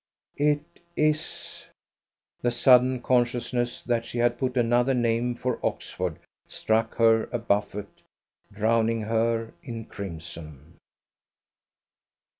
. it is " the sudden consciousness that she had put another name for Oxford, struck her a buffet, drowning her in crimson.